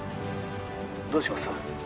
☎どうします？